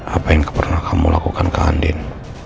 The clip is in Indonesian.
apa yang pernah kamu lakukan ke andin